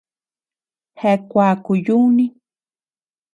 Jeaa kuaaku yuuni.